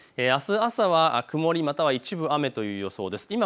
あす朝は曇りまたは一部雨という予想です。